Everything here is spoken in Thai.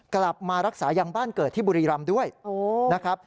กลับมารักษายังบ้านเกิดที่บุรีรำด้วยนะครับ